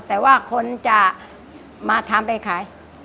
แต่ว่าคนจะมาทำไปขาย